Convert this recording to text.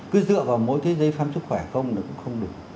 cứ dựa vào mỗi cái giấy phép khám chức khỏe không nó cũng không đủ